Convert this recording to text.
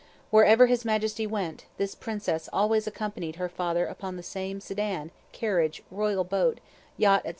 Where ever His Majesty went, this princess always accompanied her father upon the same, sedan, carriage, Royal boat, yacht &c.